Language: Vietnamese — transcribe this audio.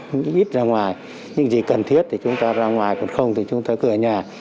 chúng ta cũng ít ra ngoài những gì cần thiết thì chúng ta ra ngoài còn không thì chúng ta cứ ở nhà